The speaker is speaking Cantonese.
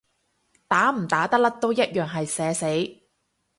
打唔打得甩都一樣係社死